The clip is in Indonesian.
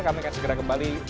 kami akan segera kembali